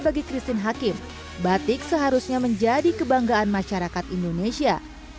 bagi christine hakim batik seharusnya menjadi kebanggaan masyarakat indonesia